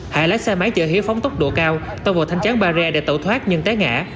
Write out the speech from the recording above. hải lấy xe máy chở hiếu phóng tốc độ cao tăng vào thanh chán barrier để tẩu thoát nhưng té ngã